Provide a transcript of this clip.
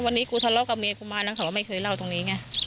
วันนี้กูทะเลาะกับเมียกูมานะเขาก็ไม่เคยเล่าตรงนี้ไง